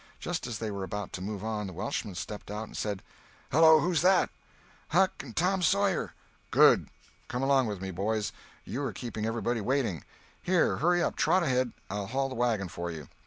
Just as they were about to move on, the Welshman stepped out and said: "Hallo, who's that?" "Huck and Tom Sawyer." "Good! Come along with me, boys, you are keeping everybody waiting. Here—hurry up, trot ahead—I'll haul the wagon for you.